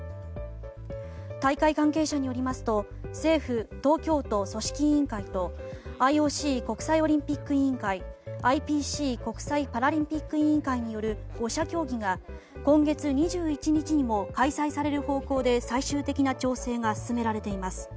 大会関係者によりますと政府、東京都、組織委員会とＩＯＣ・国際オリンピック委員会ＩＰＣ・国際パラリンピック委員会による５者協議が今月２１日にも開催される方向で最終的な調整が進められています。